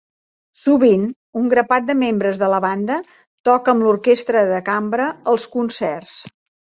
Sovint, un grapat de membres de la banda toca amb l'orquestra de cambra als concerts.